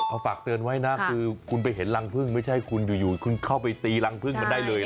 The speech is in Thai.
เอาฝากเตือนไว้นะคือคุณไปเห็นรังพึ่งไม่ใช่คุณอยู่คุณเข้าไปตีรังพึ่งมันได้เลย